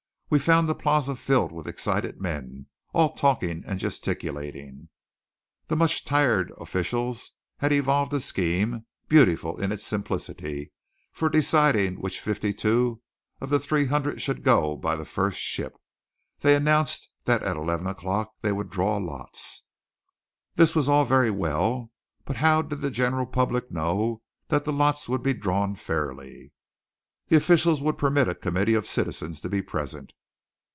We found the plaza filled with excited men; all talking and gesticulating. The much tired officials had evolved a scheme, beautiful in its simplicity, for deciding which fifty two of the three hundred should go by the first ship. They announced that at eleven o'clock they would draw lots. This was all very well, but how did the general public know that the lots would be drawn fairly? The officials would permit a committee of citizens to be present.